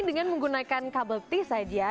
dengan menggunakan kabel tis aja